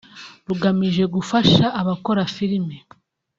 rugamije gufasha abakora filime